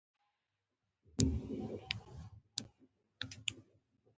هغه عصبي مامور دوه د لوګي بمونه خلاص کړل